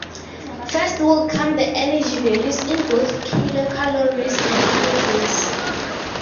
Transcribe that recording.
First will come the energy values, in both kilocalories and kilojoules.